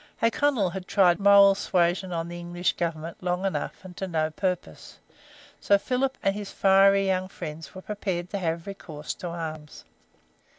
O'Connell had tried moral suasion on the English Government long enough, and to no purpose, so Philip and his fiery young friends were prepared to have recourse to arms.